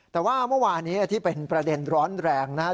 แต่ว่าเมื่อวานี้ที่เป็นประเด็นร้อนแรงนะครับ